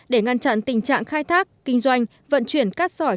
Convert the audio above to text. để ngăn chặn tình trạng khai thác kinh doanh vận chuyển cát sỏi